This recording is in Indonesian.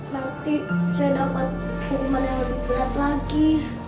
nanti saya dapat hukuman yang lebih berat lagi